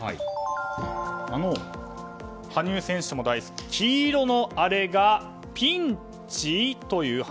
羽生選手も大好き黄色のあれがピンチ？という話。